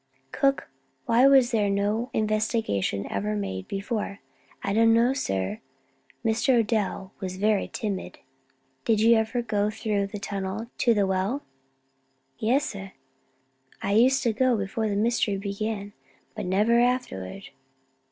Cook, why was no investigation ever made before?" "I don't know, sir. Mr. Odell was very timid." "Did you ever go through the tunnel to the well?" "Yes, sir. I used to go before the mystery began, but never afterward."